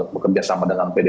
bekerja sama dengan pd